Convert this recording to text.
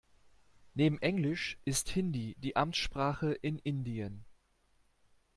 Neben Englisch ist Hindi die Amtssprache in Indien.